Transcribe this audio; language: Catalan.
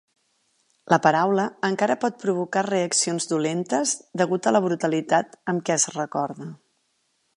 La paraula encara pot provocar reaccions dolentes degut a la brutalitat amb què es recorda.